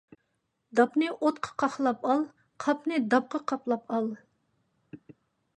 داپنى ئوتقا قاقلاپ ئال، قاپنى داپقا قاپلاپ ئال.